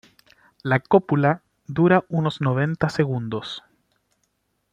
La cópula dura unos noventa segundos.